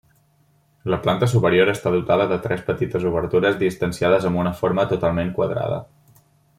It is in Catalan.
La planta superior està dotada de tres petites obertures distanciades amb una forma totalment quadrada.